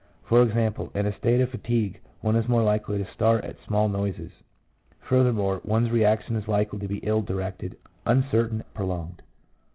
For example, in a state of fatigue one is more likely to start at small noises; furthermore, one's reaction is likely to be ill directed, uncertain, prolonged.